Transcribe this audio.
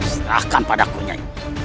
serahkan pada aku nyai